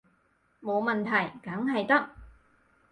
冇問題，梗係得